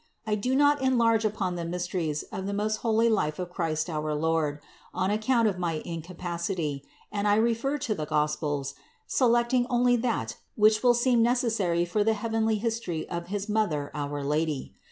I do not enlarge upon the mysteries of the most holy life of Christ our Lord, on account of my incapacity, and I refer to the Gospels, selecting only that which will seem necessary for the heavenly history of his Mother, our Lady.